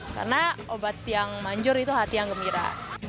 karena obat yang manjur itu hati yang gembira